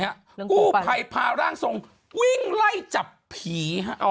กู้ภัยพาร่างทรงวิ่งไล่จับผีฮะ